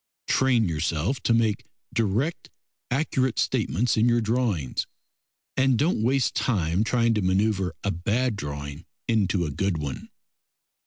Train yourself to make direct, accurate statements in your drawings, and don't waste time trying to manoeuvre a bad drawing into a good one.